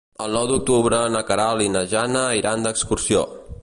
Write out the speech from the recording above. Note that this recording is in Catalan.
El nou d'octubre na Queralt i na Jana iran d'excursió.